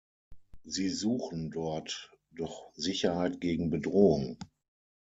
Sie suchen dort doch Sicherheit gegen Bedrohung!